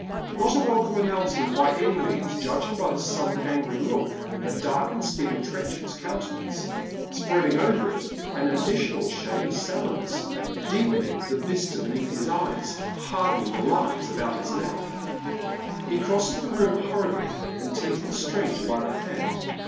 Not a welcome announcement, by any means, judging by the sudden angry look that darkens Stephen Trenchard's countenance, spreading over it an additional shade of sallowness, deepening the bistre beneath his eyes, hardening the lines about his mouth. He crosses the room hurriedly, and takes the stranger by the hand.